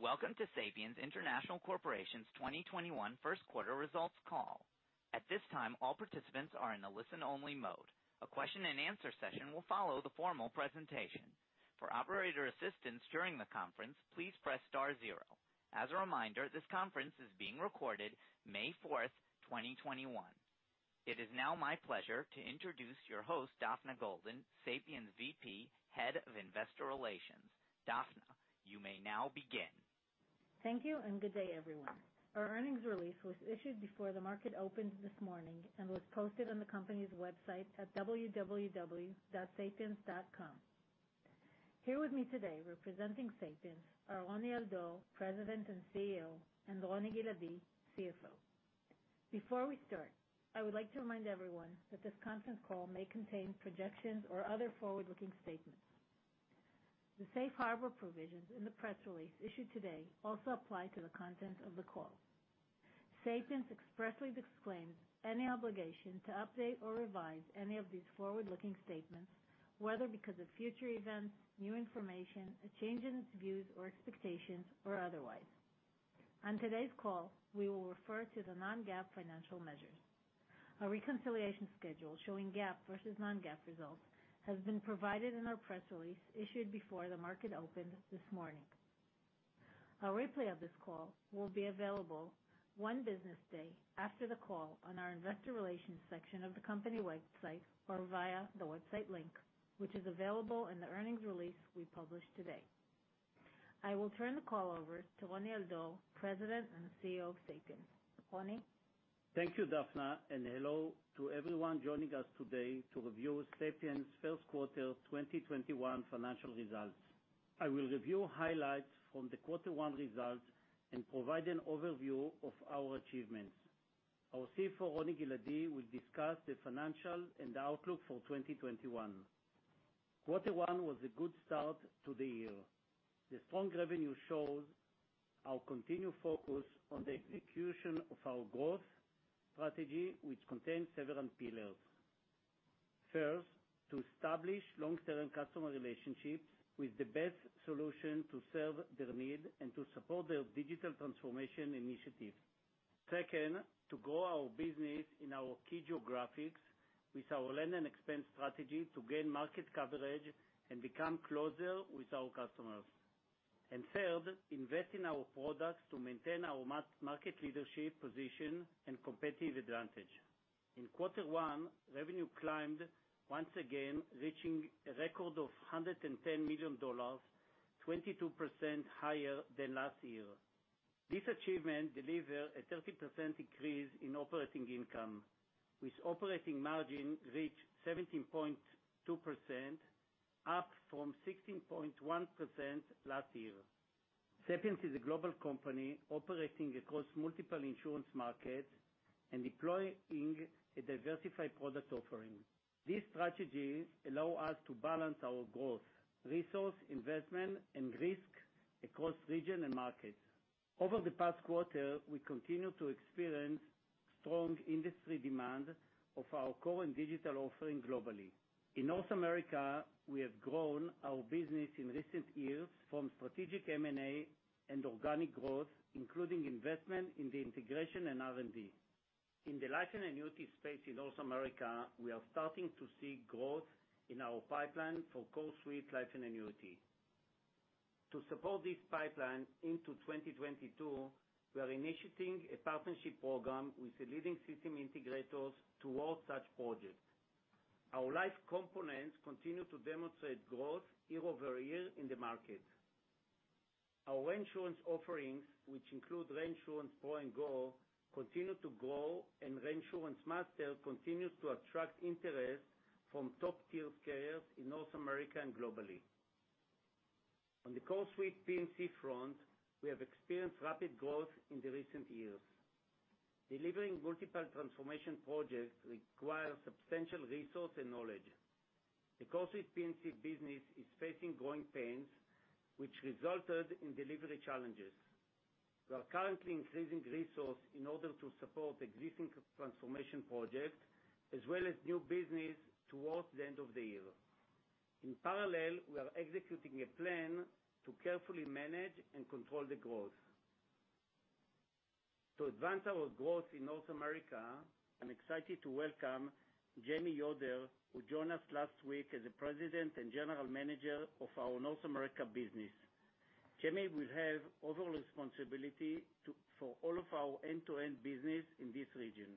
Welcome to Sapiens International Corporation's 2021 first quarter results call. At this time, all participants are in a listen-only mode. A question and answer session will follow the formal presentation. For operator assistance during the conference, please press star zero. As a reminder, this conference is being recorded May 4th, 2021. It is now my pleasure to introduce your host, Daphna Golden, Sapiens VP, Head of Investor Relations. Daphna, you may now begin. Thank you, and good day, everyone. Our earnings release was issued before the market opened this morning and was posted on the company's website at www.sapiens.com. Here with me today representing Sapiens are Roni Al-Dor, President and CEO, and Roni Giladi, CFO. Before we start, I would like to remind everyone that this conference call may contain projections or other forward-looking statements. The safe harbor provisions in the press release issued today also apply to the content of the call. Sapiens expressly disclaims any obligation to update or revise any of these forward-looking statements, whether because of future events, new information, a change in its views or expectations, or otherwise. On today's call, we will refer to the non-GAAP financial measures. A reconciliation schedule showing GAAP versus non-GAAP results has been provided in our press release issued before the market opened this morning. A replay of this call will be available one business day after the call on our investor relations section of the company website, or via the website link, which is available in the earnings release we published today. I will turn the call over to Roni Al-Dor, President and CEO of Sapiens. Roni? Thank you, Daphna, Hello to everyone joining us today to review Sapiens' first quarter 2021 financial results. I will review highlights from the quarter one results and provide an overview of our achievements. Our CFO, Roni Giladi, will discuss the financials and outlook for 2021. Quarter one was a good start to the year. The strong revenue shows our continued focus on the execution of our growth strategy, which contains several pillars. First, to establish long-term customer relationships with the best solution to serve their needs and to support their digital transformation initiatives. Second, to grow our business in our key geographies with our land and expand strategy to gain market coverage and become closer with our customers. Third, invest in our products to maintain our market leadership position and competitive advantage. In quarter one, revenue climbed once again, reaching a record of $110 million, 22% higher than last year. This achievement delivered a 30% increase in operating income, with operating margin reach 17.2%, up from 16.1% last year. Sapiens is a global company operating across multiple insurance markets and deploying a diversified product offering. These strategies allow us to balance our growth, resource investment, and risk across region and markets. Over the past quarter, we continued to experience strong industry demand of our Core and Digital offering globally. In North America, we have grown our business in recent years from strategic M&A and organic growth, including investment in the integration and R&D. In the Life & Annuities space in North America, we are starting to see growth in our pipeline for CoreSuite Life & Annuity. To support this pipeline into 2022, we are initiating a partnership program with the leading system integrators towards such projects. Our Life components continue to demonstrate growth year-over-year in the market. Our reinsurance offerings, which include ReinsurancePro and Go, continue to grow, and ReinsuranceMaster continues to attract interest from top tier carriers in North America and globally. On the CoreSuite P&C front, we have experienced rapid growth in the recent years. Delivering multiple transformation projects requires substantial resource and knowledge. The CoreSuite P&C business is facing growing pains, which resulted in delivery challenges. We are currently increasing resource in order to support existing transformation projects, as well as new business towards the end of the year. In parallel, we are executing a plan to carefully manage and control the growth. To advance our growth in North America, I'm excited to welcome Jamie Yoder, who joined us last week as the President and General Manager of our North America business. Jamie will have overall responsibility for all of our end-to-end business in this region.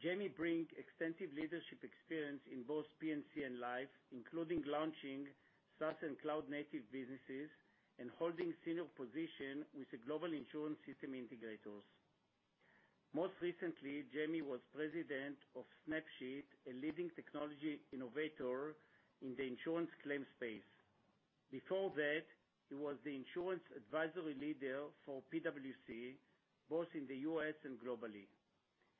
Jamie brings extensive leadership experience in both P&C and Life, including launching SaaS and cloud-native businesses and holding senior positions with the global insurance system integrators. Most recently, Jamie was President of Snapsheet, a leading technology innovator in the insurance claims space. Before that, he was the insurance advisory leader for PwC, both in the U.S. and globally,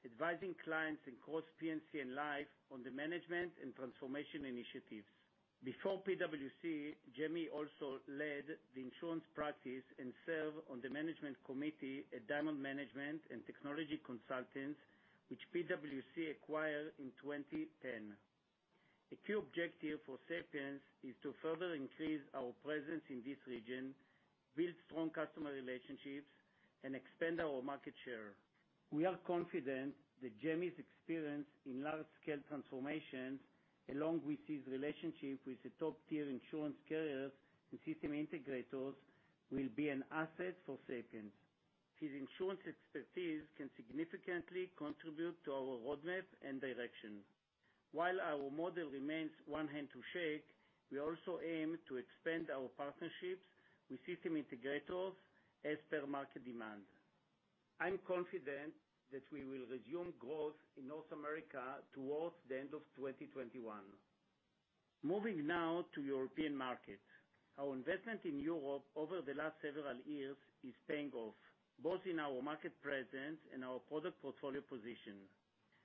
advising clients across P&C and Life on the management and transformation initiatives. Before PwC, Jamie also led the insurance practice and served on the management committee at Diamond Management & Technology Consultants, which PwC acquired in 2010. A key objective for Sapiens is to further increase our presence in this region, build strong customer relationships, and expand our market share. We are confident that Jamie's experience in large-scale transformations, along with his relationship with the top-tier insurance carriers and system integrators, will be an asset for Sapiens. His insurance expertise can significantly contribute to our roadmap and direction. While our model remains one hand to shake, we also aim to expand our partnerships with system integrators as per market demand. I'm confident that we will resume growth in North America towards the end of 2021. Moving now to European markets. Our investment in Europe over the last several years is paying off, both in our market presence and our product portfolio position.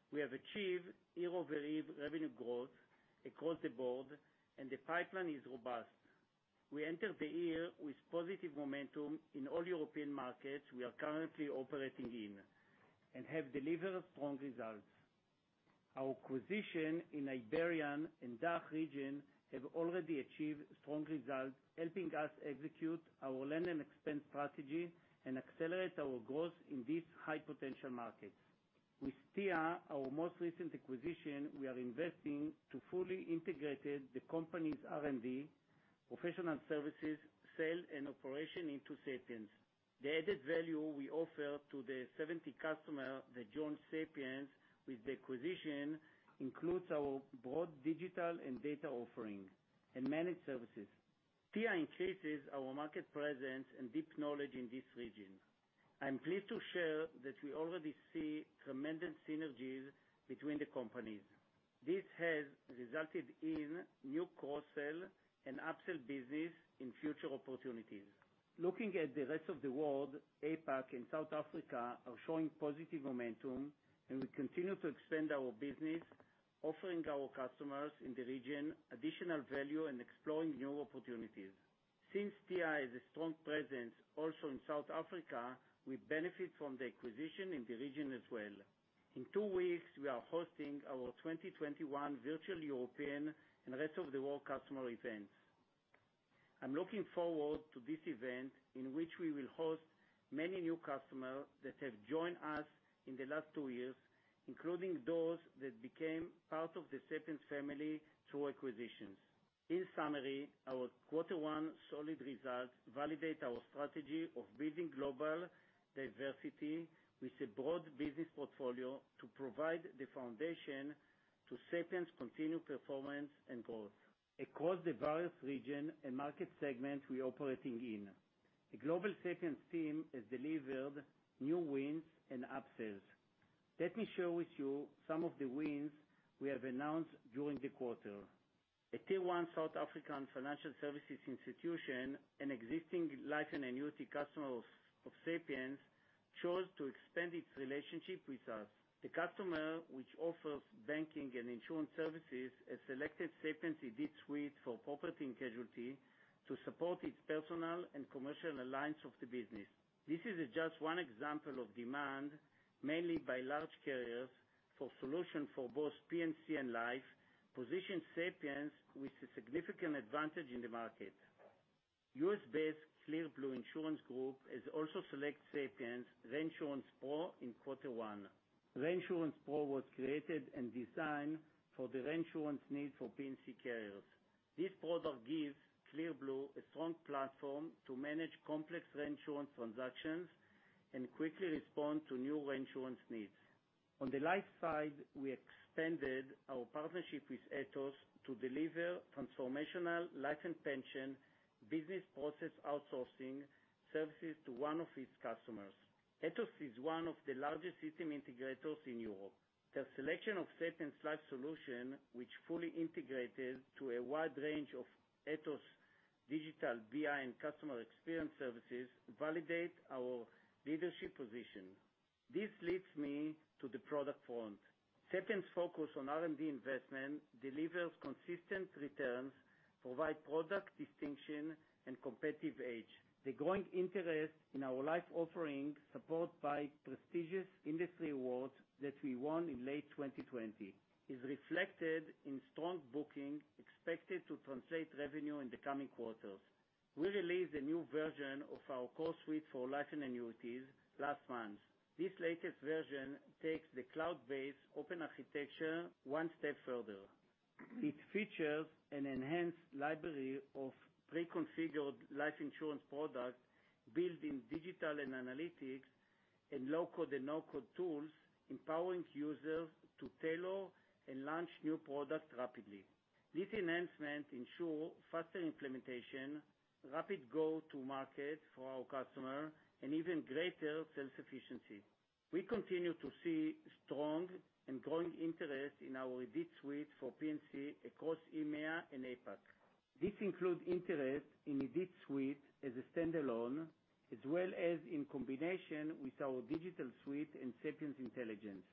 We have achieved year-over-year revenue growth across the board and the pipeline is robust. We enter the year with positive momentum in all European markets we are currently operating in and have delivered strong results. Our acquisition in Iberian and DACH region have already achieved strong results, helping us execute our land and expand strategy and accelerate our growth in these high potential markets. With Tia, our most recent acquisition, we are investing to fully integrate the company's R&D, professional services, sales, and operation into Sapiens. The added value we offer to the 70 customers that joined Sapiens with the acquisition includes our broad digital and data offering and managed services. Tia enhances our market presence and deep knowledge in this region. I'm pleased to share that we already see tremendous synergies between the companies. This has resulted in new cross-sell and upsell business and future opportunities. Looking at the rest of the world, APAC and South Africa are showing positive momentum, and we continue to expand our business, offering our customers in the region additional value and exploring new opportunities. Since Tia has a strong presence also in South Africa, we benefit from the acquisition in the region as well. In two weeks, we are hosting our 2021 virtual European and rest of the world customer events. I'm looking forward to this event, in which we will host many new customers that have joined us in the last two years, including those that became part of the Sapiens family through acquisitions. In summary, our quarter one solid result validates our strategy of building global diversity with a broad business portfolio to provide the foundation to Sapiens' continued performance and growth. Across the various region and market segments we are operating in, the global Sapiens team has delivered new wins and upsells. Let me share with you some of the wins we have announced during the quarter. A Tier 1 South African financial services institution, an existing Life & Annuity customer of Sapiens, chose to expand its relationship with us. The customer, which offers banking and insurance services, has selected Sapiens' IDITSuite for property and casualty to support its personal and commercial lines of the business. This is just one example of demand, mainly by large carriers, for solution for both P&C and Life, positions Sapiens with a significant advantage in the market. U.S.-based Clear Blue Insurance Group has also selected Sapiens ReinsurancePro in quarter one. ReinsurancePro was created and designed for the Reinsurance needs for P&C carriers. This product gives Clear Blue a strong platform to manage complex reinsurance transactions and quickly respond to new reinsurance needs. On the Life side, we expanded our partnership with Atos to deliver transformational Life & Pensions business process outsourcing services to one of its customers. Atos is one of the largest system integrators in Europe. Their selection of Sapiens Life solution, which fully integrated to a wide range of Atos Digital BI and customer experience services, validate our leadership position. This leads me to the product front. Sapiens' focus on R&D investment delivers consistent returns, provide product distinction, and competitive edge. The growing interest in our Life offerings, supported by prestigious industry awards that we won in late 2020, is reflected in strong booking expected to translate revenue in the coming quarters. We released a new version of our CoreSuite for Life & Annuity last month. This latest version takes the cloud-based open architecture one step further. It features an enhanced library of pre-configured life insurance products built in digital and analytics, and low-code and no-code tools, empowering users to tailor and launch new products rapidly. This enhancement ensures faster implementation, rapid go-to-market for our customer, and even greater sales efficiency. We continue to see strong and growing interest in our IDITSuite for P&C across EMEA and APAC. This includes interest in IDITSuite as a standalone, as well as in combination with our DigitalSuite and Sapiens Intelligence,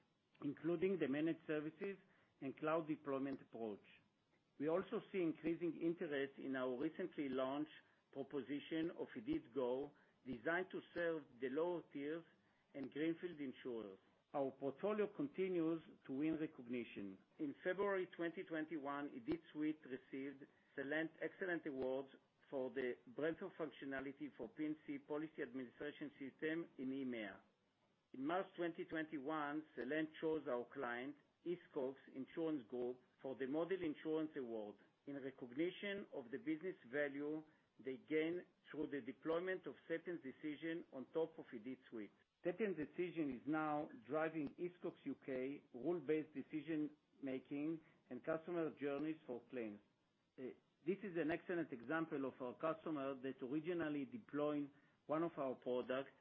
including the managed services and cloud deployment approach. We also see increasing interest in our recently launched proposition of IDIT Go, designed to serve the lower tiers and greenfield insurers. Our portfolio continues to win recognition. In February 2021, IDITSuite received Celent XCelent Awards for the breadth of functionality for P&C policy administration system in EMEA. In March 2021, Celent chose our client, esure Group, for the Model Insurer award in recognition of the business value they gain through the deployment of Sapiens Decision on top of IDITSuite. Sapiens Decision is now driving [esure] U.K. rule-based decision making and customer journeys for claims. This is an excellent example of a customer that's originally deploying one of our products,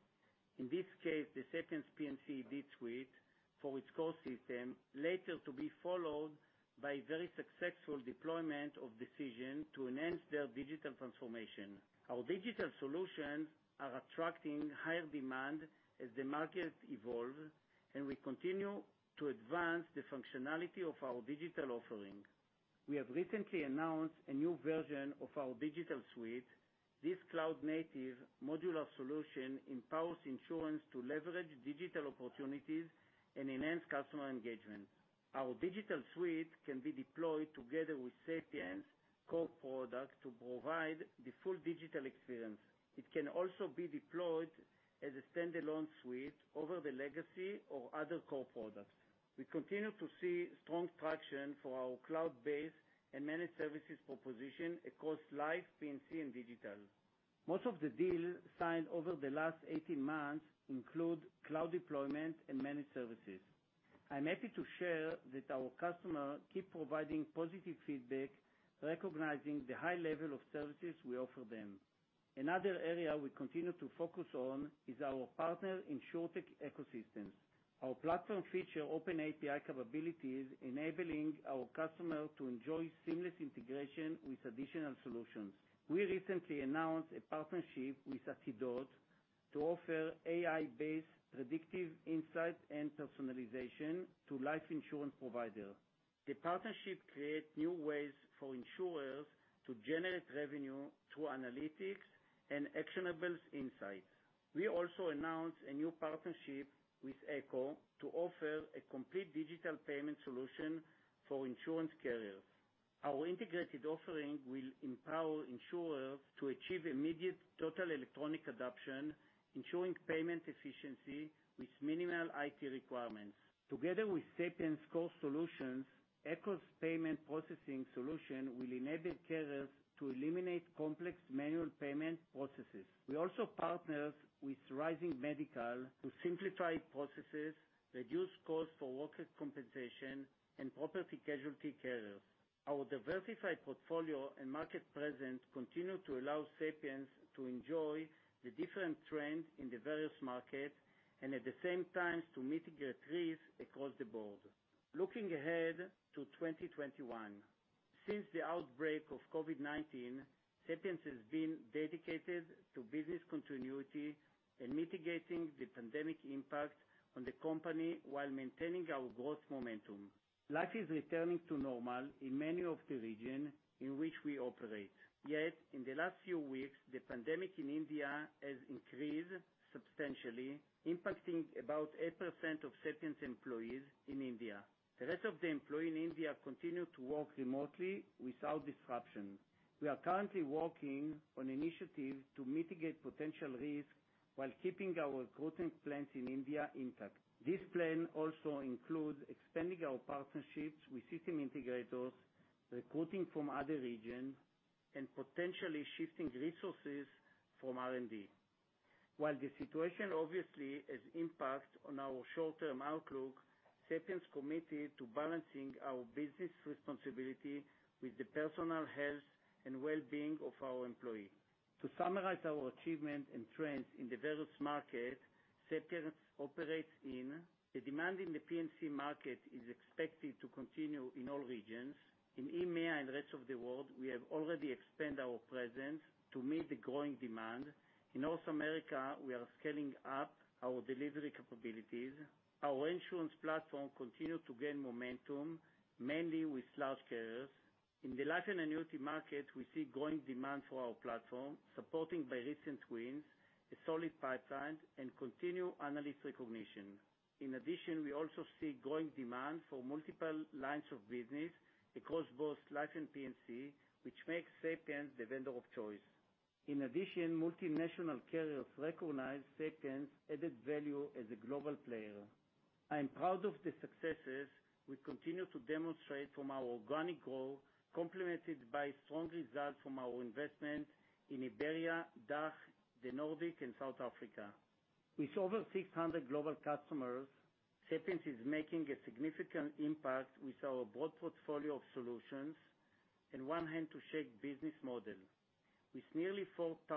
in this case, the Sapiens P&C IDITSuite for its core system, later to be followed by very successful deployment of Decision to enhance their digital transformation. Our digital solutions are attracting higher demand as the market evolves, and we continue to advance the functionality of our digital offering. We have recently announced a new version of our DigitalSuite. This cloud-native modular solution empowers insurance to leverage digital opportunities and enhance customer engagement. Our DigitalSuite can be deployed together with Sapiens Core product to provide the full digital experience. It can also be deployed as a standalone suite over the legacy or other core products. We continue to see strong traction for our cloud-based and managed services proposition across Life, P&C, and Digital. Most of the deals signed over the last 18 months include cloud deployment and managed services. I'm happy to share that our customers keep providing positive feedback, recognizing the high level of services we offer them. Another area we continue to focus on is our partner Insurtech ecosystems. Our platform feature open API capabilities, enabling our customers to enjoy seamless integration with additional solutions. We recently announced a partnership with Atidot to offer AI-based predictive insight and personalization to Life Insurance providers. The partnership creates new ways for insurers to generate revenue through analytics and actionable insights. We also announced a new partnership with ECHO to offer a complete digital payment solution for insurance carriers. Our integrated offering will empower insurers to achieve immediate total electronic adoption, ensuring payment efficiency with minimal IT requirements. Together with Sapiens Core solutions, ECHO's payment processing solution will enable carriers to eliminate complex manual payment processes. We also partners with Rising Medical to simplify processes, reduce costs for Workers' Compensation, and property casualty carriers. Our diversified portfolio and market presence continue to allow Sapiens to enjoy the different trends in the various markets and, at the same time, to mitigate risk across the board. Looking ahead to 2021, since the outbreak of COVID-19, Sapiens has been dedicated to business continuity and mitigating the pandemic impact on the company while maintaining our growth momentum. Life is returning to normal in many of the regions in which we operate. In the last few weeks, the pandemic in India has increased substantially, impacting about 8% of Sapiens employees in India. The rest of the employees in India continue to work remotely without disruption. We are currently working on initiatives to mitigate potential risks while keeping our growth plans in India intact. This plan also includes expanding our partnerships with system integrators, recruiting from other regions, and potentially shifting resources from R&D. The situation obviously has impact on our short-term outlook, Sapiens committed to balancing our business responsibility with the personal health and well-being of our employees. To summarize our achievement and trends in the various markets Sapiens operates in, the demand in the P&C market is expected to continue in all regions. In EMEA and rest of the world, we have already expanded our presence to meet the growing demand. In North America, we are scaling up our delivery capabilities. Our insurance platform continue to gain momentum, mainly with large carriers. In the Life & Annuity market, we see growing demand for our platform, supported by recent wins, a solid pipeline, and continued analyst recognition. In addition, we also see growing demand for multiple lines of business across both Life and P&C, which makes Sapiens the vendor of choice. In addition, multinational carriers recognize Sapiens' added value as a global player. I am proud of the successes we continue to demonstrate from our organic growth, complemented by strong results from our investment in Iberia, DACH, the Nordic, and South Africa. With over 600 global customers, Sapiens is making a significant impact with our broad portfolio of solutions and one hand to shake business model. With nearly 4,000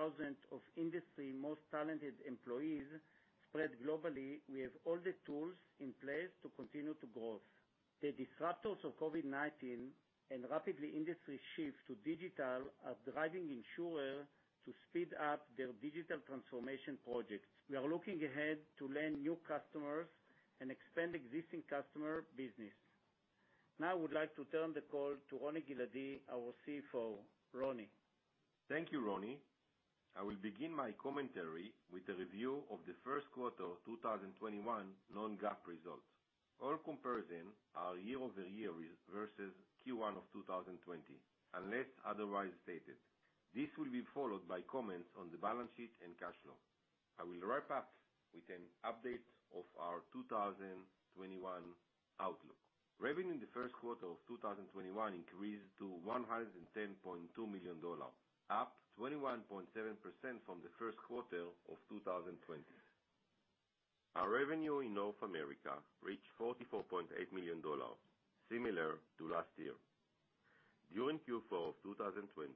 of industry's most talented employees spread globally, we have all the tools in place to continue to grow. The disruptions of COVID-19 and rapid industry shift to digital are driving insurers to speed up their digital transformation projects. We are looking ahead to land new customers and expand existing customer business. I would like to turn the call to Roni Giladi, our CFO. Roni? Thank you, Roni. I will begin my commentary with a review of the first quarter of 2021 non-GAAP results. All comparison are year-over-year versus Q1 of 2020, unless otherwise stated. This will be followed by comments on the balance sheet and cash flow. I will wrap up with an update of our 2021 outlook. Revenue in the first quarter of 2021 increased to $110.2 million, up 21.7% from the first quarter of 2020. Our revenue in North America reached $44.8 million, similar to last year. During Q4 of 2020,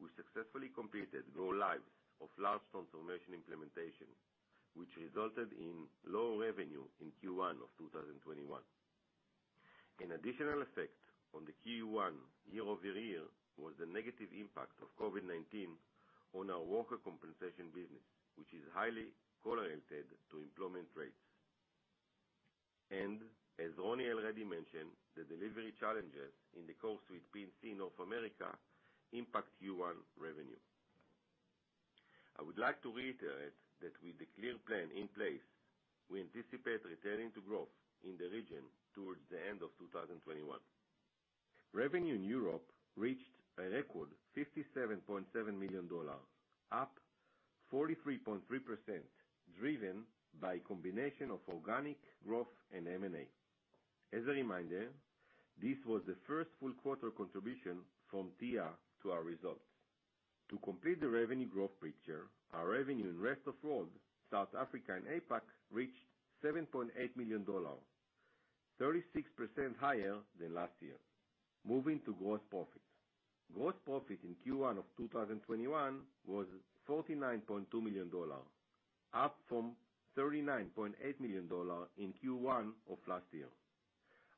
we successfully completed go-lives of large transformation implementation, which resulted in lower revenue in Q1 of 2021. An additional effect on the Q1 year-over-year was the negative impact of COVID-19 on our Workers' Compensation business, which is highly correlated to employment rates. As Roni already mentioned, the delivery challenges in the Sapiens CoreSuite P&C North America impact Q1 revenue. I would like to reiterate that with a clear plan in place, we anticipate returning to growth in the region towards the end of 2021. Revenue in Europe reached a record $57.7 million, up 43.3%, driven by a combination of organic growth and M&A. As a reminder, this was the first full quarter contribution from Tia to our results. To complete the revenue growth picture, our revenue in rest of world, South Africa and APAC, reached $7.8 million, 36% higher than last year. Moving to gross profit. Gross profit in Q1 2021 was $49.2 million, up from $39.8 million in Q1 last year.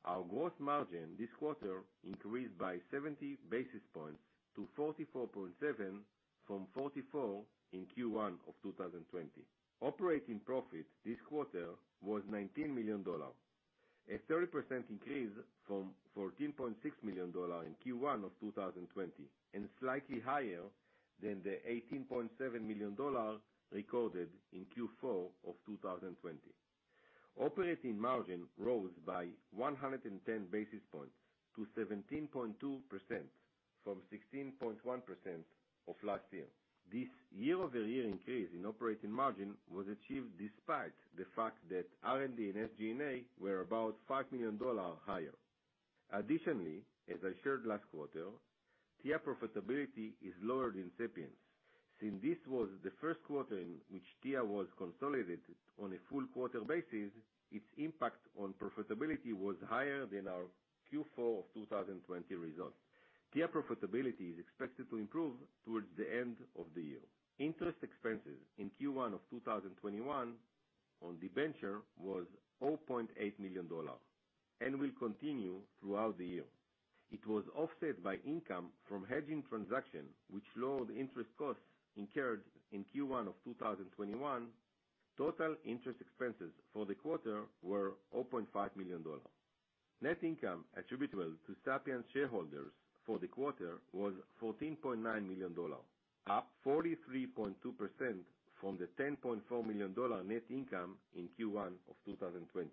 Our gross margin this quarter increased by 70 basis points to 44.7% from 44% in Q1 2020. Operating profit this quarter was $19 million, a 30% increase from $14.6 million in Q1 of 2020, and slightly higher than the $18.7 million recorded in Q4 of 2020. Operating margin rose by 110 basis points to 17.2% from 16.1% of last year. This year-over-year increase in operating margin was achieved despite the fact that R&D and SG&A were about $5 million higher. Additionally, as I shared last quarter, Tia profitability is lower than Sapiens'. Since this was the first quarter in which Tia was consolidated on a full quarter basis, its impact on profitability was higher than our Q4 of 2020 results. Tia profitability is expected to improve towards the end of the year. Interest expenses in Q1 of 2021 on debenture was $0.8 million and will continue throughout the year. It was offset by income from hedging transaction, which lowered interest costs incurred in Q1 of 2021. Total interest expenses for the quarter were $0.5 million. Net income attributable to Sapiens shareholders for the quarter was $14.9 million, up 43.2% from the $10.4 million net income in Q1 of 2020.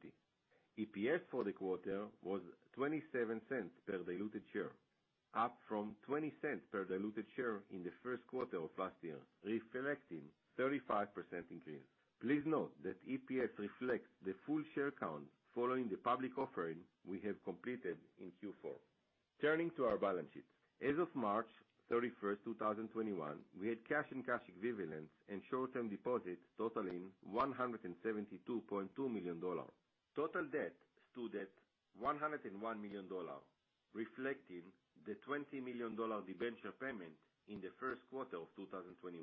EPS for the quarter was $0.27 per diluted share, up from $0.20 per diluted share in the first quarter of last year, reflecting 35% increase. Please note that EPS reflects the full share count following the public offering we have completed in Q4. Turning to our balance sheet. As of March 31st, 2021, we had cash and cash equivalents and short-term deposits totaling $172.2 million. Total debt stood at $101 million, reflecting the $20 million debenture payment in the first quarter of 2021.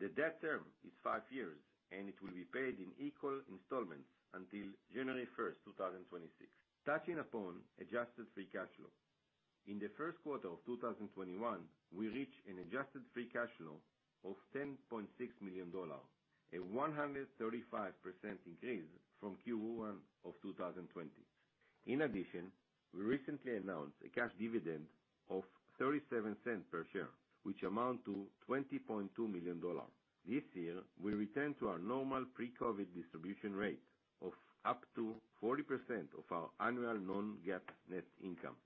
The debt term is five years, and it will be paid in equal installments until January 1st, 2026. Touching upon adjusted free cash flow. In the first quarter of 2021, we reached an adjusted free cash flow of $10.6 million, a 135% increase from Q1 of 2020. In addition, we recently announced a cash dividend of $0.37 per share, which amount to $20.2 million. This year, we return to our normal pre-COVID distribution rate of up to 40% of our annual non-GAAP net income.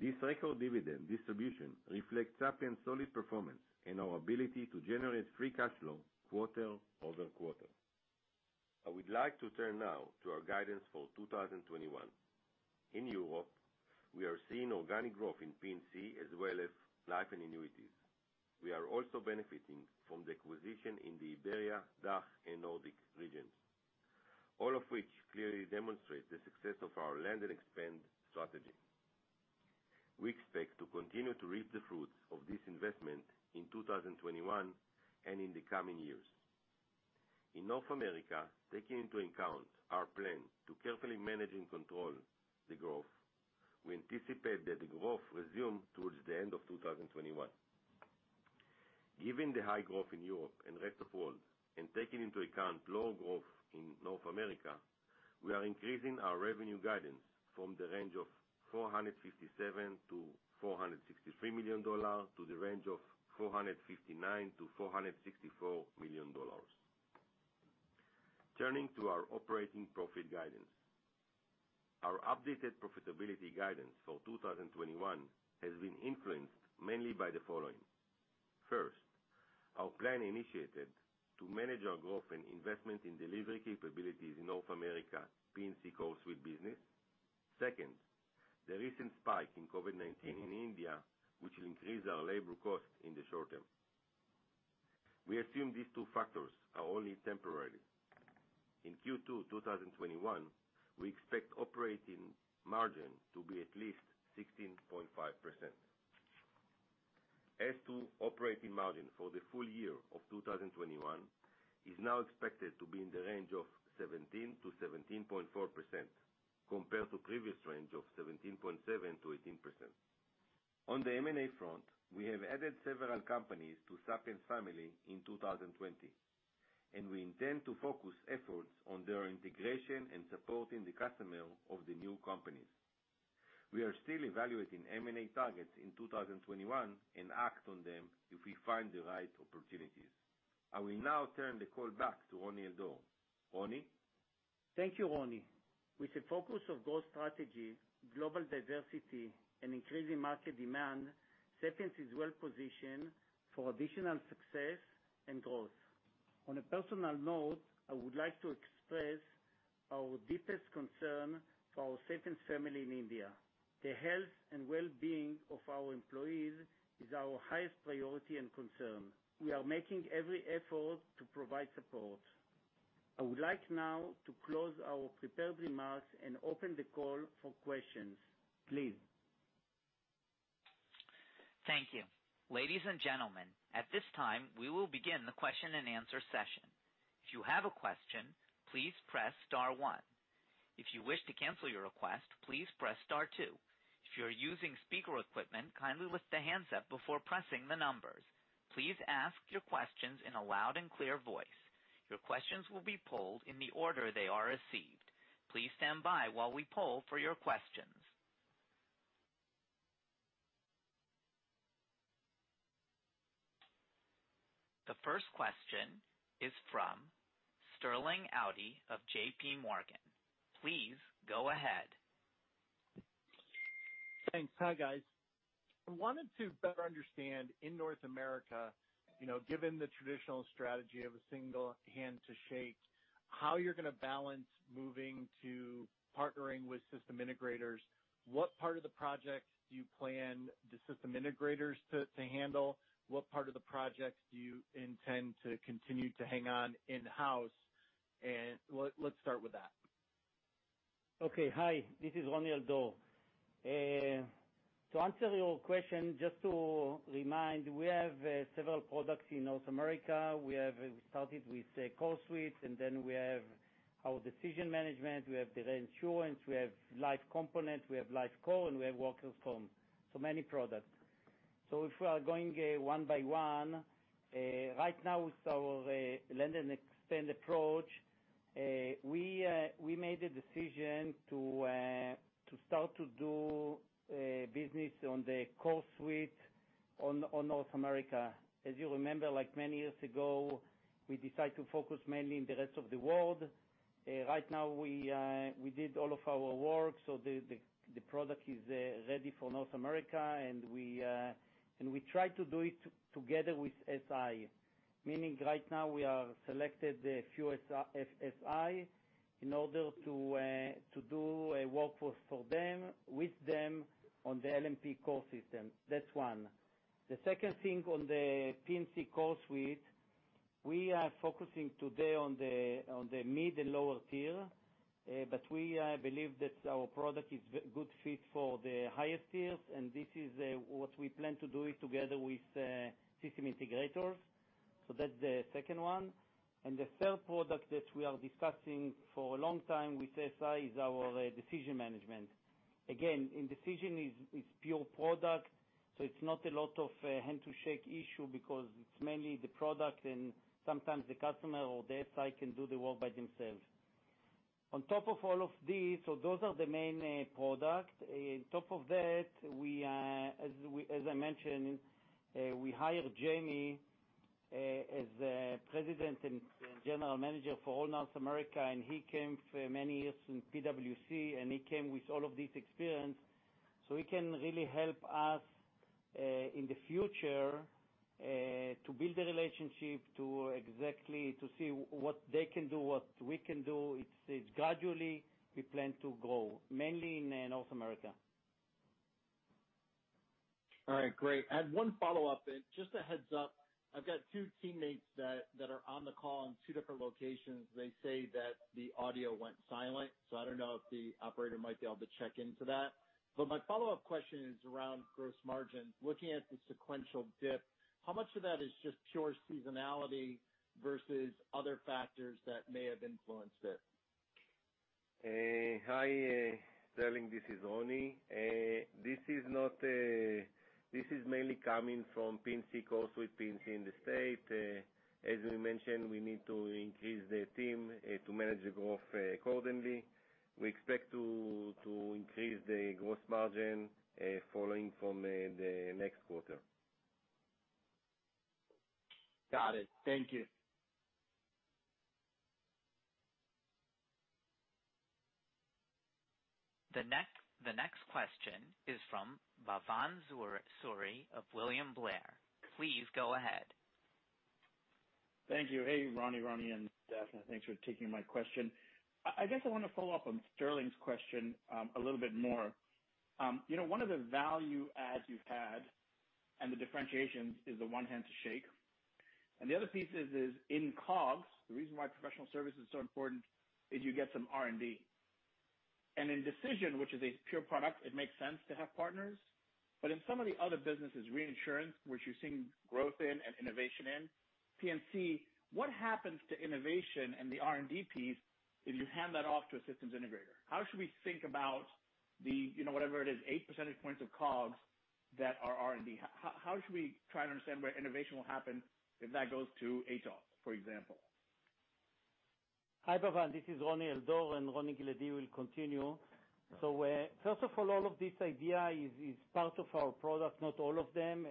This record dividend distribution reflects Sapiens' solid performance and our ability to generate free cash flow quarter over quarter. I would like to turn now to our guidance for 2021. In Europe, we are seeing organic growth in P&C as well as Life & Annuity. We are also benefiting from the acquisition in the Iberia, DACH, and Nordic regions, all of which clearly demonstrate the success of our land-and-expand strategy. We expect to continue to reap the fruits of this investment in 2021 and in the coming years. In North America, taking into account our plan to carefully manage and control the growth, we anticipate that the growth resume towards the end of 2021. Given the high growth in Europe and rest of world, and taking into account low growth in North America, we are increasing our revenue guidance from the range of $457 million-$463 million to the range of $459 million-$464 million. Turning to our operating profit guidance. Our updated profitability guidance for 2021 has been influenced mainly by the following. First, our plan initiated to manage our growth and investment in delivery capabilities in North America P&C CoreSuite business. Second, the recent spike in COVID-19 in India, which will increase our labor cost in the short term. We assume these two factors are only temporary. In Q2 2021, we expect operating margin to be at least 16.5%. As to operating margin for the full year of 2021, is now expected to be in the range of 17%-17.4%, compared to previous range of 17.7%-18%. On the M&A front, we have added several companies to Sapiens family in 2020, and we intend to focus efforts on their integration and supporting the customer of the new companies. We are still evaluating M&A targets in 2021 and act on them if we find the right opportunities. I will now turn the call back to Roni Al-Dor. Roni? Thank you, Roni. With the focus of growth strategy, global diversity, and increasing market demand, Sapiens is well-positioned for additional success and growth. On a personal note, I would like to express our deepest concern for our Sapiens family in India. The health and well-being of our employees is our highest priority and concern. We are making every effort to provide support. I would like now to close our prepared remarks and open the call for questions. Please. Thank you. Ladies and gentlemen, at this time, we will begin the question and answer session. If you have a question, please press star one. If you wish to cancel your request, please press star two. If you're using speaker equipment, kindly lift the handset before pressing the numbers. Please ask your questions in a loud and clear voice. Your questions will be polled in the order they are received. Please stand by while we poll for your questions. The first question is from Sterling Auty of JPMorgan. Please go ahead. Thanks. Hi, guys. I wanted to better understand in North America, given the traditional strategy of a single hand to shake, how you're going to balance moving to partnering with system integrators. What part of the project do you plan the system integrators to handle? What part of the project do you intend to continue to hang on in-house? Let's start with that. Hi, this is Roni Al-Dor. To answer your question, just to remind, we have several products in North America. We started with CoreSuite, and then we have our Decision management, we have Reinsurance, we have Life component, we have Life Core, and we have Workers' Compensation. Many products. If we are going one by one, right now with our land and extend approach, we made a decision to start to do business on the CoreSuite on North America. As you remember, like many years ago, we decide to focus mainly in the rest of the world. Right now, we did all of our work, so the product is ready for North America, and we try to do it together with SI. Meaning right now we have selected the few SI in order to do a workforce for them, with them, on the L&A core system. That's one. The second thing on the P&C CoreSuite, we are focusing today on the mid and lower tier, but we believe that our product is good fit for the highest tiers, and this is what we plan to do it together with system integrators. That's the second one. The third product that we are discussing for a long time with SI is our Sapiens Decision. Again, in Sapiens Decision it's pure product, so it's not a lot of hand to shake issue because it's mainly the product and sometimes the customer or the SI can do the work by themselves. On top of all of these, those are the main product. On top of that, as I mentioned, we hired Jamie as President and General Manager for all North America, and he came for many years from PwC, and he came with all of this experience. He can really help us, in the future, to build a relationship to exactly to see what they can do, what we can do. It is gradually we plan to grow, mainly in North America. All right. Great. I had one follow-up and just a heads up, I've got two teammates that are on the call in two different locations. They say that the audio went silent, I don't know if the Operator might be able to check into that. My follow-up question is around gross margin. Looking at the sequential dip, how much of that is just pure seasonality versus other factors that may have influenced it? Hi, Sterling. This is Roni. This is mainly coming from P&C, also with P&C in the U.S. As we mentioned, we need to increase the team to manage the growth accordingly. We expect to increase the gross margin following from the next quarter. Got it. Thank you. The next question is from Bhavan Suri of William Blair. Please go ahead. Thank you. Hey, Roni, Roni, and Daphna Golden, thanks for taking my question. I guess I want to follow up on Sterling's question a little bit more. One of the value adds you've had and the differentiations is the one hand to shake. The other piece is in COGS, the reason why professional service is so important is you get some R&D. In Sapiens Decision, which is a pure product, it makes sense to have partners. In some of the other businesses, Reinsurance, which you're seeing growth in and innovation in, P&C, what happens to innovation and the R&D piece if you hand that off to a systems integrator? How should we think about the, whatever it is, 8 percentage points of COGS that are R&D? How should we try to understand where innovation will happen if that goes to Atos, for example? Hi, Bhavan. This is Roni Al-Dor. Roni Giladi will continue. First of all of this idea is part of our product, not all of them,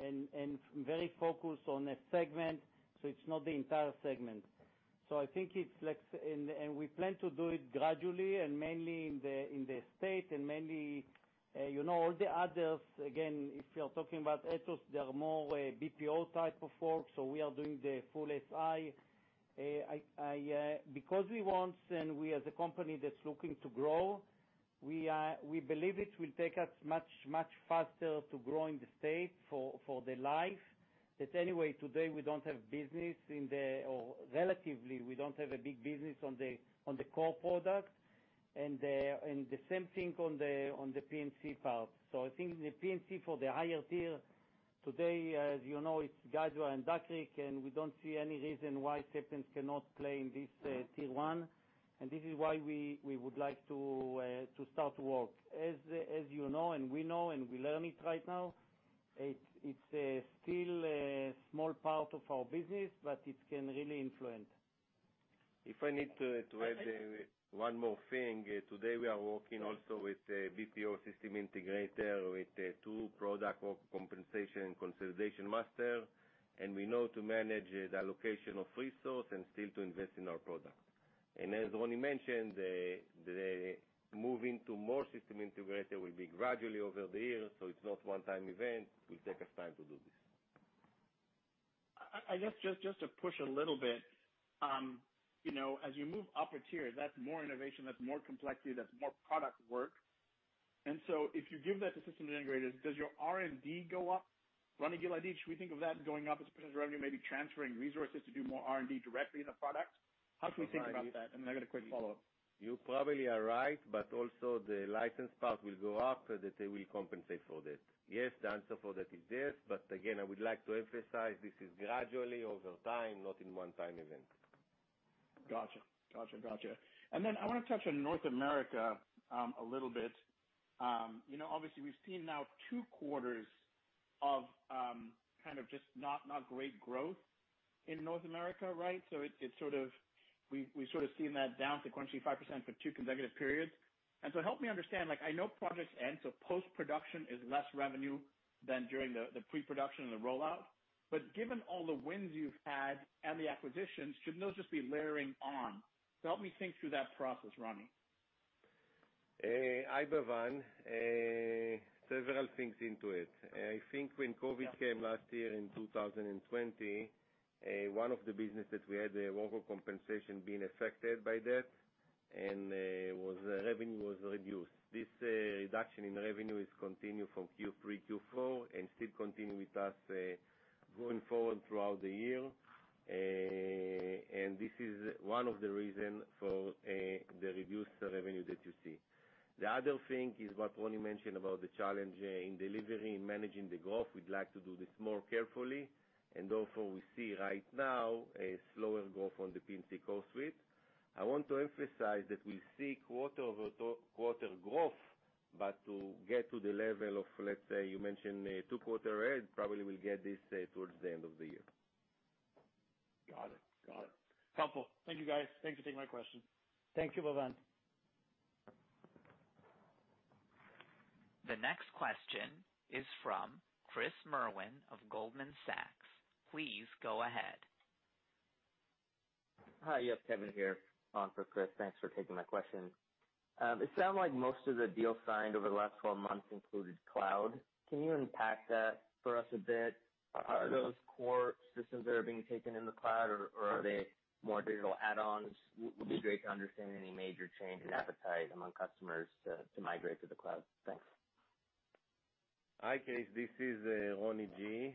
very focused on a segment. It's not the entire segment. We plan to do it gradually and mainly in the U.S. and mainly all the others, again, if you're talking about Atos, they are more BPO type of work. We are doing the full SI. Because we want, we as a company that's looking to grow, we believe it will take us much faster to grow in the U.S. for the Life. That anyway today we don't have business or relatively, we don't have a big business on the Core product. The same thing on the P&C part. I think the P&C for the higher tier today, as you know, it's Guidewire and Duck Creek, and we don't see any reason why Sapiens cannot play in this Tier 1. This is why we would like to start work. As you know, and we know and we learn it right now, it's still a small part of our business, but it can really influence. If I need to add one more thing. Today, we are working also with BPO system integrator with two product, Workers' Compensation and ReinsuranceMaster, and we know to manage the allocation of resource and still to invest in our product. As Roni mentioned, the moving to more system integrator will be gradually over the years, so it's not one-time event. It will take us time to do this. I guess just to push a little bit. As you move upper tier, that's more innovation, that's more complexity, that's more product work. If you give that to system integrators, does your R&D go up? Roni Giladi, should we think of that going up as a percentage of revenue, maybe transferring resources to do more R&D directly in the product? How should we think about that? I got a quick follow-up. You probably are right, also the license part will go up, that they will compensate for that. Yes, the answer for that is yes. Again, I would like to emphasize this is gradually over time, not in one-time event. Got you. I want to touch on North America a little bit. Obviously, we've seen now two quarters of just not great growth in North America, right? We've sort of seen that down sequentially 5% for two consecutive periods. Help me understand, I know projects end, so post-production is less revenue than during the pre-production and the rollout. Given all the wins you've had and the acquisitions, shouldn't those just be layering on? Help me think through that process, Roni. Hi, Bhavan. Several things into it. I think when COVID came last year in 2020, one of the businesses we had, the Workers' Compensation, being affected by that, and revenue was reduced. This reduction in revenue is continued from Q3, Q4, and still continue with us going forward throughout the year. This is one of the reason for the reduced revenue that you see. The other thing is what Roni mentioned about the challenge in delivering and managing the growth. We'd like to do this more carefully, and therefore, we see right now a slower growth on the P&C CoreSuite. I want to emphasize that we see quarter-over-quarter growth, but to get to the level of, let's say, you mentioned two quarter ahead, probably we'll get this towards the end of the year. Got it. Helpful. Thank you guys. Thanks for taking my question. Thank you, Bhavan. The next question is from Chris Merwin of Goldman Sachs. Please go ahead. Hi. Yes, Kevin here for Chris. Thanks for taking my question. It sound like most of the deals signed over the last 12 months included cloud. Can you unpack that for us a bit? Are those Core systems that are being taken in the cloud, or are they more digital add-ons? Would be great to understand any major change in appetite among customers to migrate to the cloud. Thanks. Hi, Chris. This is Roni Giladi.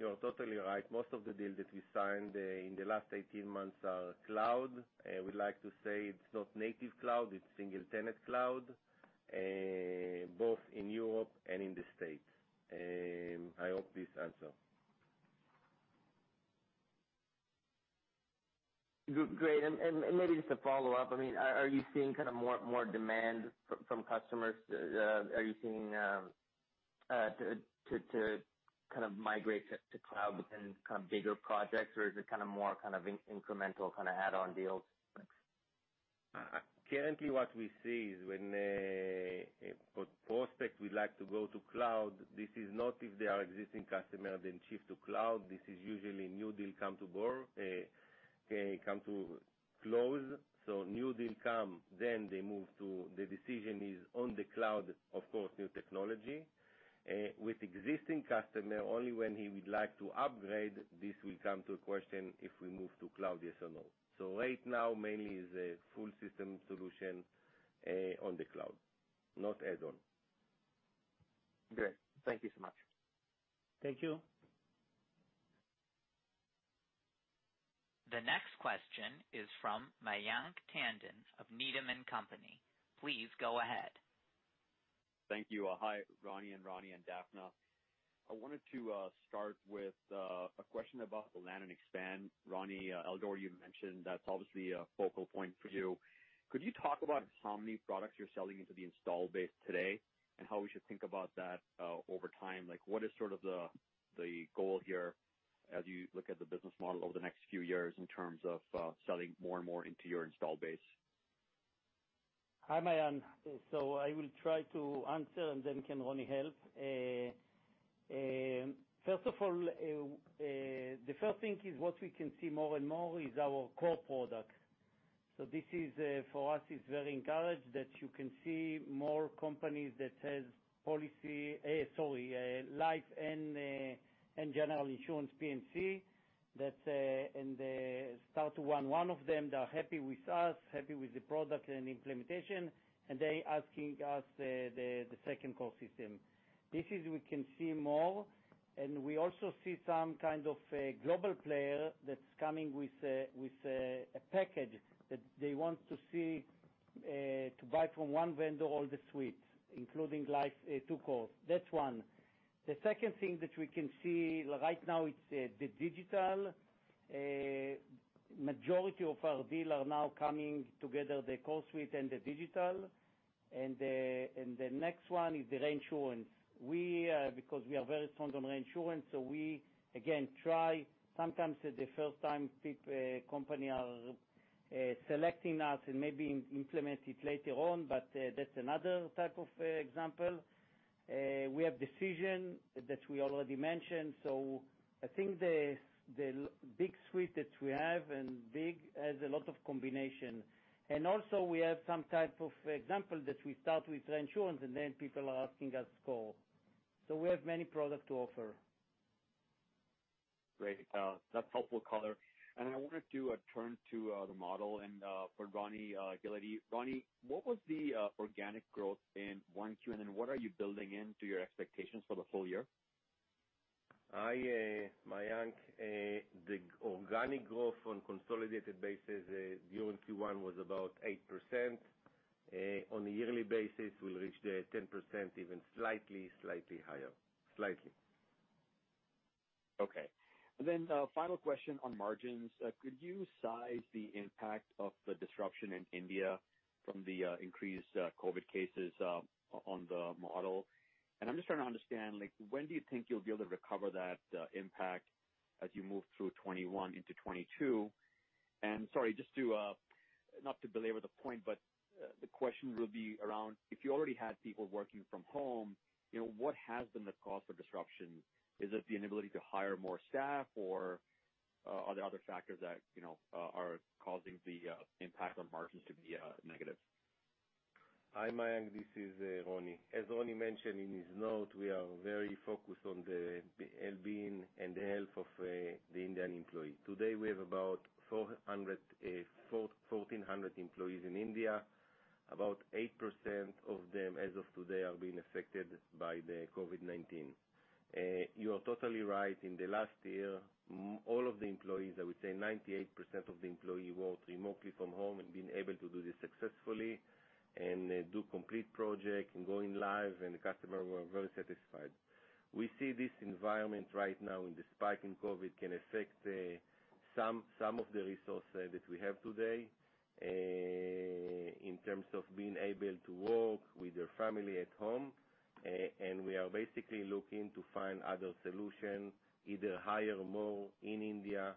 You're totally right. Most of the deals that we signed in the last 18 months are cloud. We like to say it's not native cloud, it's single tenant cloud, both in Europe and in the U.S. I hope this answer. Great. Maybe just a follow-up. Are you seeing more demand from customers? Are you seeing to migrate to cloud within bigger projects, or is it more incremental add-on deals? Currently, what we see is when a prospect would like to go to cloud, this is not if they are existing customer, then shift to cloud. This is usually new deal come to bear, come to close. New deal come, then they move to the decision is on the cloud, of course, new technology. With existing customer, only when he would like to upgrade, this will come to question if we move to cloud, yes or no. Right now, mainly is a full system solution on the cloud, not add-on. Great. Thank you so much. Thank you. The next question is from Mayank Tandon of Needham & Company. Please go ahead. Thank you. Hi, Roni and Roni and Daphna. I wanted to start with a question about the land and expand. Roni Al-Dor, you mentioned that's obviously a focal point for you. Could you talk about how many products you're selling into the install base today, and how we should think about that over time? What is sort of the goal here as you look at the business model over the next few years in terms of selling more and more into your install base? Hi, Mayank. I will try to answer, and then can Roni help. First of all, the first thing is what we can see more and more is our core product. This, for us, is very encouraged that you can see more companies that says policy, sorry, Life and general insurance, P&C. That in the start one of them, they are happy with us, happy with the product and implementation, and they asking us the second Core system. This is we can see more, and we also see some kind of a global player that's coming with a package that they want to see, to buy from one vendor all the suites, including Life to Core. That's one. The second thing that we can see right now, it's the digital. Majority of our deal are now coming together, the CoreSuite and the Digital. The next one is the Reinsurance. We are very strong on Reinsurance, we, again, try sometimes the first-time company are selecting us and maybe implement it later on, that's another type of example. We have Decision that we already mentioned. I think the big suite that we have, big has a lot of combination. Also we have some type of example that we start with Reinsurance, then people are asking us Core. We have many product to offer. Great. That's helpful color. I wanted to turn to the model and for Roni Giladi. Roni, what was the organic growth in Q1, and what are you building into your expectations for the full year? Hi, Mayank. The organic growth on consolidated basis during Q1 was about 8%. On a yearly basis, we'll reach the 10%, even slightly higher. Slightly. Okay. Final question on margins. Could you size the impact of the disruption in India from the increased COVID cases on the model? I'm just trying to understand, when do you think you'll be able to recover that impact as you move through 2021 into 2022? Sorry, not to belabor the point, but the question will be around, if you already had people working from home, what has been the cause for disruption? Is it the inability to hire more staff, or are there other factors that are causing the impact on margins to be negative? Hi, Mayank, this is Roni. As Roni mentioned in his note, we are very focused on the well-being and the health of the Indian employee. Today, we have about 1,400 employees in India. About 8% of them, as of today, are being affected by the COVID-19. You are totally right. In the last year, all of the employees, I would say 98% of the employee, worked remotely from home and been able to do this successfully, and do complete project and going live, and the customer were very satisfied. We see this environment right now and the spike in COVID can affect some of the resource that we have today, in terms of being able to work with their family at home. We are basically looking to find other solution, either hire more in India,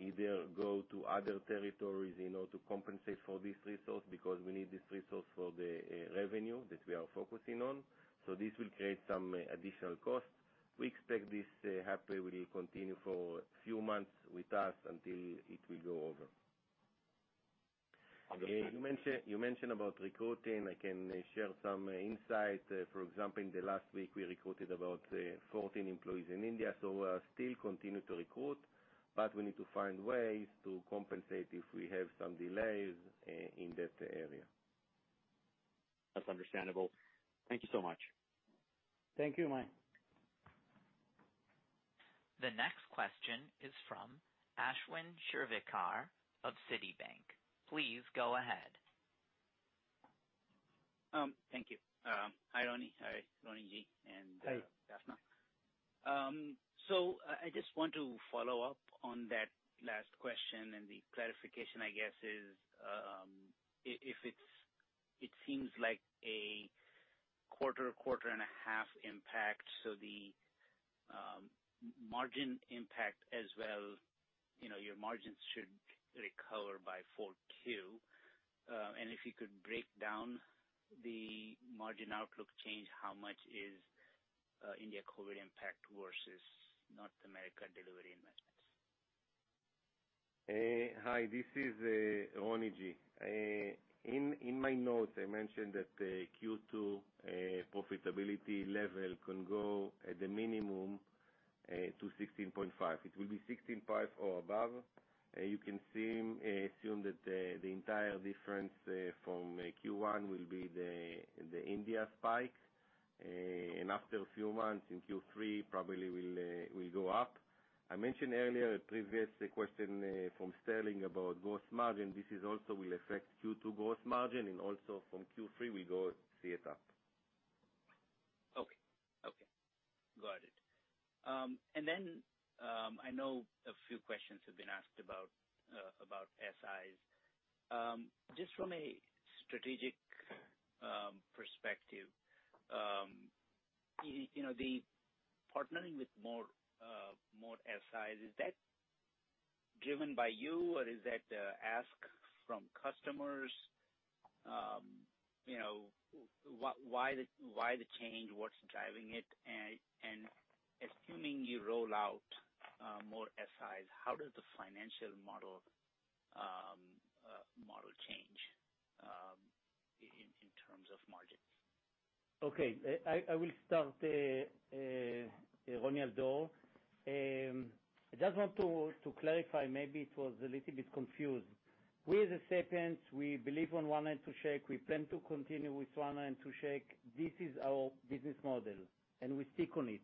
either go to other territories in order to compensate for this resource, because we need this resource for the revenue that we are focusing on. This will create some additional cost. We expect this, hopefully, will continue for few months with us until it will go over. You mentioned about recruiting. I can share some insight. For example, in the last week, we recruited about 14 employees in India, so we are still continue to recruit, but we need to find ways to compensate if we have some delays in that area. That's understandable. Thank you so much. Thank you, Mayank. The next question is from Ashwin Shirvaikar of Citi. Please go ahead. Thank you. Hi, Roni. Hi, Roni Giladi. Hi, Daphna. I just want to follow up on that last question, and the clarification, I guess is, if it seems like a quarter and a half impact, the margin impact as well, your margins should recover by Q4. If you could break down the margin outlook change, how much is India COVID-19 impact versus North America delivery investments? Hi, this is Roni Giladi. In my notes, I mentioned that Q2 profitability level can go at the minimum to 16.5%. It will be 16.5% or above. You can assume that the entire difference from Q1 will be the India spike. After a few months, in Q3, probably will go up. I mentioned earlier, previous question from Sterling about gross margin. This also will affect Q2 gross margin, and also from Q3, we go see it up. Okay. Got it. I know a few questions have been asked about SIs. Just from a strategic perspective, the partnering with more SIs, is that driven by you, or is that the ask from customers? Why the change? What's driving it? Assuming you roll out more SIs, how does the financial model change in terms of margins? Okay. I will start. This is Roni Al-Dor. I just want to clarify, maybe it was a little bit confused. We, as Sapiens, we believe on one hand to shake. We plan to continue with one hand to shake. This is our business model, and we stick on it.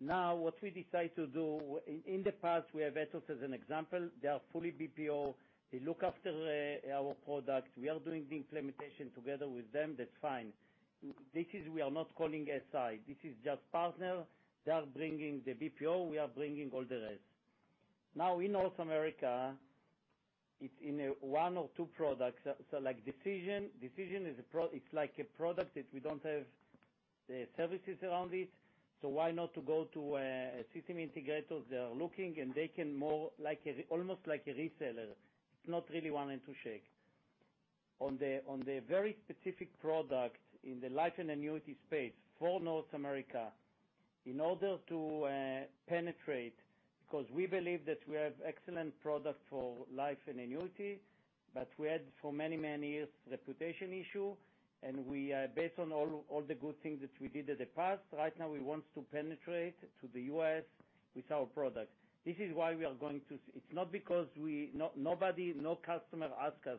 What we decide to do, in the past, we have Atos as an example. They are fully BPO. They look after our product. We are doing the implementation together with them. That's fine. This is, we are not calling SI. This is just partner. They are bringing the BPO, we are bringing all the rest. In North America, it's in one of two products. Like Decision. Decision, it's like a product that we don't have the services around it, so why not to go to a system integrator? They are looking, and they can more, almost like a reseller. It's not really one hand to shake. On the very specific product in the Life & Annuity space for North America, in order to penetrate, because we believe that we have excellent product for Life and Annuity, but we had for many years, reputation issue. Based on all the good things that we did in the past, right now, we want to penetrate to the U.S. with our product. It's not because nobody, no customer ask us.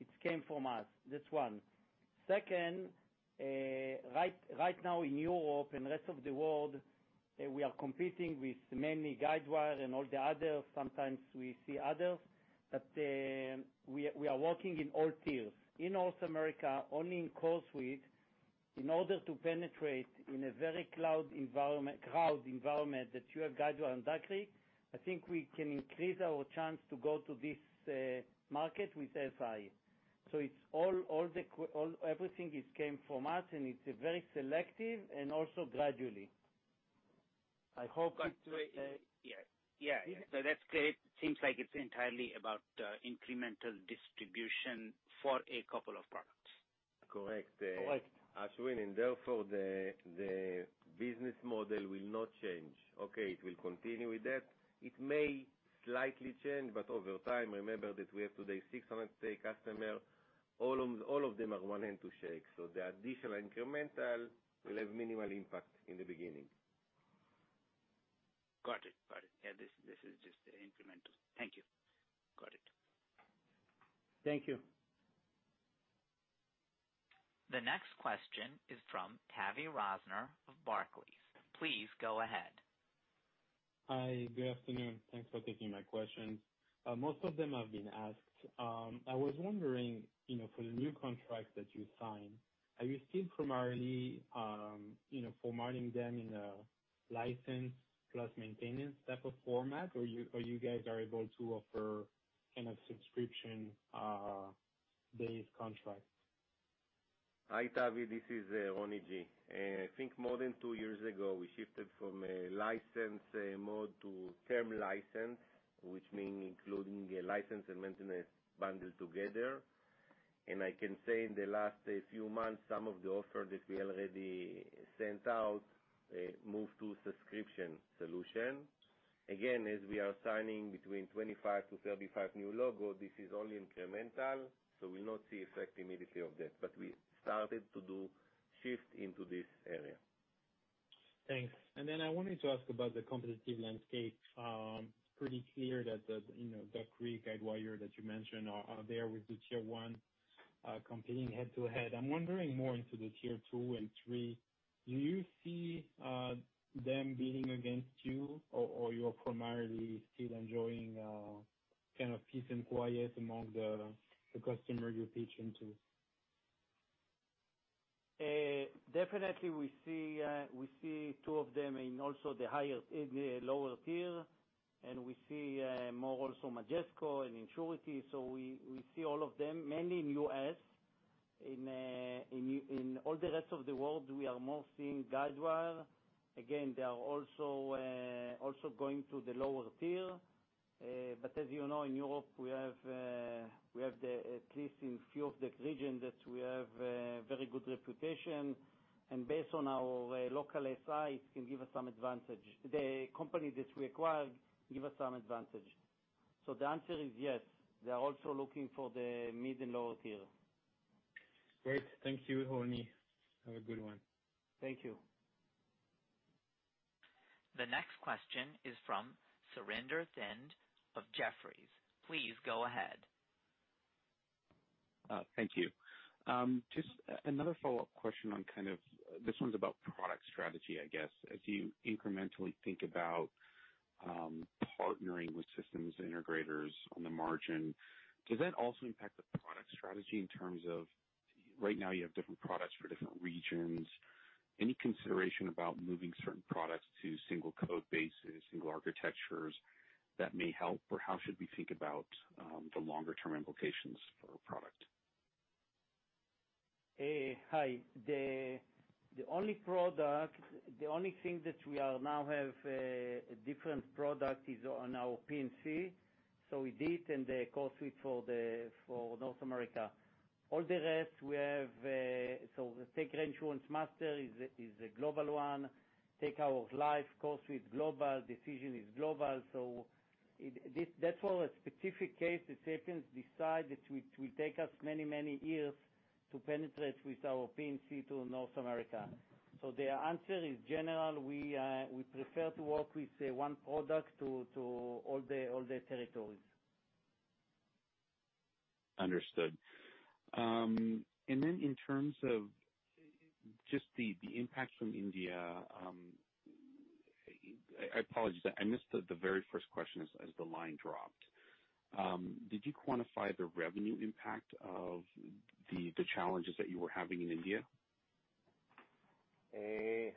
It came from us. That's one. Second, right now in Europe and rest of the world, we are competing with many Guidewire and all the others. Sometimes we see others, but we are working in all tiers. In North America, only in CoreSuite. In order to penetrate in a very cloud environment that you have Guidewire and Duck Creek, I think we can increase our chance to go to this market with SI. Everything is came from us, and it's very selective, and also gradually. I hope it. Got you. Yeah. That's great. Seems like it's entirely about incremental distribution for a couple of products. Correct. Correct. Ashwin, therefore, the business model will not change. It will continue with that. It may slightly change, over time, remember that we have today 600 customer. All of them are one hand, to shake. The additional incremental will have minimal impact in the beginning. Got it. Yeah, this is just incremental. Thank you. Got it. Thank you. The next question is from Tavy Rosner of Barclays. Please go ahead. Hi. Good afternoon. Thanks for taking my questions. Most of them have been asked. I was wondering, for the new contracts that you sign, are you still primarily formatting them in a license plus maintenance type of format, or you guys are able to offer kind of subscription-based contracts? Hi, Tavy. This is Roni Giladi. I think more than two years ago we shifted from a license mode to term license, which mean including a license and maintenance bundle together. I can say in the last few months, some of the offer that we already sent out, moved to subscription solution. As we are signing between 25 to 35 new logo, this is only incremental, so we'll not see effect immediately of that. We started to do shift into this area. Thanks. I wanted to ask about the competitive landscape. Pretty clear that Duck Creek, Guidewire that you mentioned, are there with the Tier 1, competing head-to-head. I'm wondering more into the Tier 2 and 3. Do you see them bidding against you, or you're primarily still enjoying kind of peace and quiet among the customer you're pitching to. We see two of them in also the lower tier, and we see more also Majesco and Insurity. We see all of them, mainly in U.S. In all the rest of the world, we are more seeing Guidewire. Again, they are also going to the lower tier. As you know, in Europe, at least in few of the regions, we have a very good reputation, and based on our local SI, it can give us some advantage. The company that we acquired give us some advantage. The answer is yes. They are also looking for the mid and lower tier. Great. Thank you, Roni. Have a good one. Thank you. The next question is from Surinder Thind of Jefferies. Please go ahead. Thank you. Just another follow-up question. This one's about product strategy, I guess. As you incrementally think about partnering with systems integrators on the margin, does that also impact the product strategy in terms of, right now, you have different products for different regions. Any consideration about moving certain products to single code bases, single architectures that may help? How should we think about the longer-term implications for a product? Hi. The only thing that we now have a different product is on our P&C. We did in the CoreSuite for North America. All the rest, the ReinsuranceMaster is a global one. Take our Life CoreSuite, global. Sapiens Decision is global. That's for a specific case that Sapiens decide that it will take us many, many years to penetrate with our P&C to North America. The answer is, general, we prefer to work with one product to all the territories. Understood. In terms of just the impact from India, I apologize, I missed the very first question as the line dropped. Did you quantify the revenue impact of the challenges that you were having in India?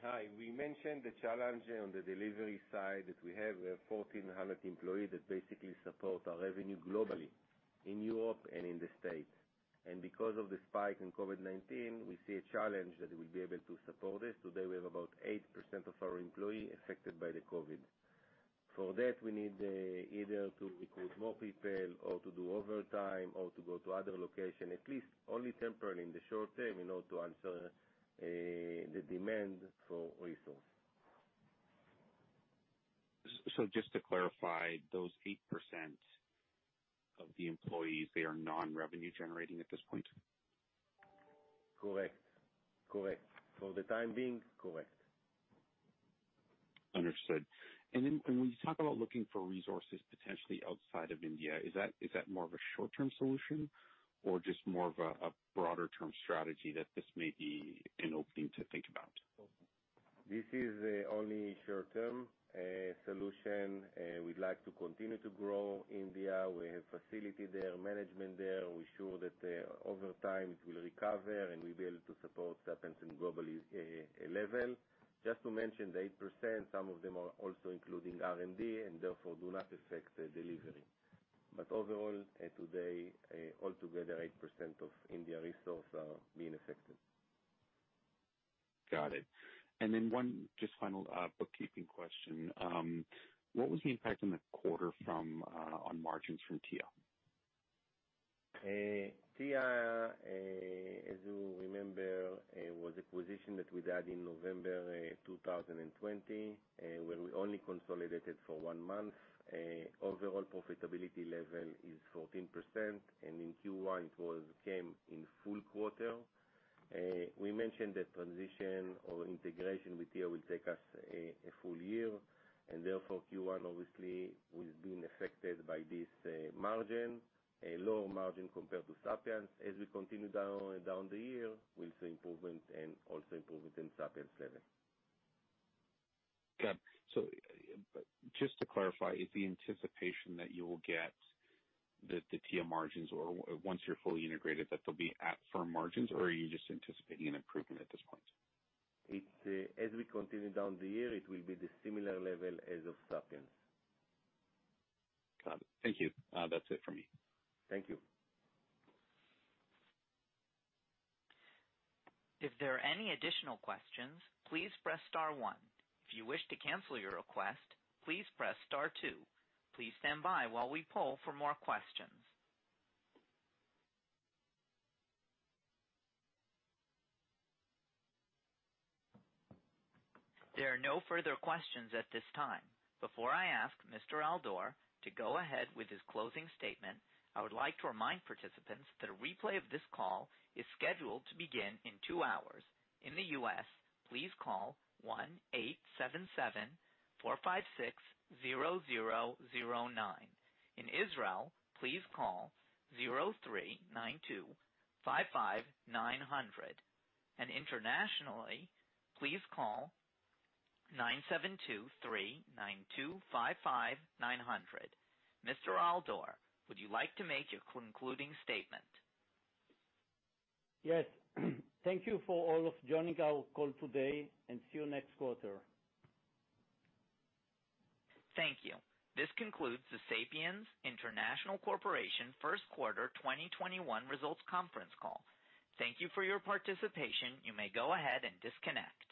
Hi. We mentioned the challenge on the delivery side that we have 1,400 employees that basically support our revenue globally, in Europe and in the States. Because of the spike in COVID-19, we see a challenge that we'll be able to support this. Today, we have about 8% of our employee affected by the COVID-19. For that, we need either to recruit more people or to do overtime or to go to other location, at least only temporarily in the short term in order to answer the demand for resource. Just to clarify, those 8% of the employees, they are non-revenue generating at this point? Correct. For the time being, correct. Understood. When you talk about looking for resources potentially outside of India, is that more of a short-term solution or just more of a broader term strategy that this may be an opening to think about? This is only short-term solution. We'd like to continue to grow India. We have facility there, management there. We're sure that over time, it will recover, and we'll be able to support Sapiens in globally level. Just to mention, the 8%, some of them are also including R&D, and therefore, do not affect the delivery. Overall, today, altogether, 8% of India resource are being affected. Got it. One just final bookkeeping question. What was the impact in the quarter on margins from Tia? Tia, as you remember, was acquisition that we did in November 2020, where we only consolidated for one month. Overall profitability level is 14%, and in Q1, it came in full quarter. We mentioned that transition or integration with Tia will take us a full year, and therefore, Q1 obviously was being affected by this margin, a lower margin compared to Sapiens. As we continue down the year, we'll see improvement and also improvement in Sapiens level. Got it. Just to clarify, is the anticipation that you will get the Tia margins, or once you're fully integrated, that they'll be at firm margins, or are you just anticipating an improvement at this point? As we continue down the year, it will be the similar level as of Sapiens. Got it. Thank you. That's it from me. Thank you. If there are any additional questions, please press star one. If you wish to cancel your request, please press star two. Please standby while we poll for more questions. Before I ask Mr. Al-Dor to go ahead with his closing statement, I would like to remind participants that a replay of this call is scheduled to begin in two hours. In the U.S., please call 1-877-456-0009. In Israel, please call 03-925-5900, and internationally, please call 972-392-55900. Mr. Al-Dor, would you like to make a concluding statement? Yes. Thank you for all of joining our call today. See you next quarter. Thank you. This concludes the Sapiens International Corporation First Quarter 2021 Results Conference Call. Thank you for your participation. You may go ahead and disconnect.